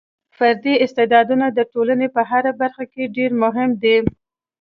فردي استعدادونه د ټولنې په هره برخه کې ډېر مهم دي.